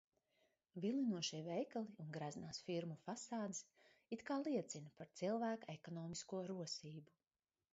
Vilinošie veikali un greznās firmu fasādes it kā liecina par cilvēka ekonomisko rosību.